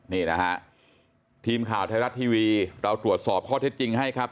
นี่นะฮะทีมข่าวไทยรัฐทีวีเราตรวจสอบข้อเท็จจริงให้ครับ